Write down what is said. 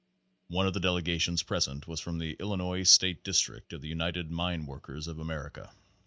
One of the delegations present was from the Illi nois State District of the United Mine Workers of America.